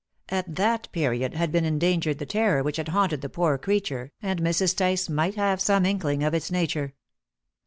At that period had been engendered the terror which had haunted the poor creature, and Mrs. Tice might have some inkling of its nature.